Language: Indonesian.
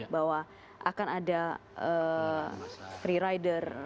bahwa akan ada free rider